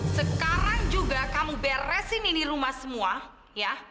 sekarang juga kamu beresin ini rumah semua ya